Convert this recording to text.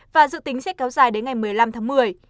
và dự tính sẽ kéo dài đến ngày một mươi năm tháng một mươi